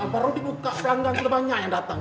baru dibuka ranggan kelebannya yang datang